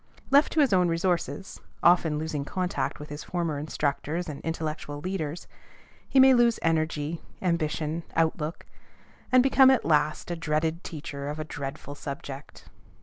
Left to his own resources, often losing contact with his former instructors and intellectual leaders, he may lose energy, ambition, outlook, and become at last a dreaded teacher of a dreadful subject.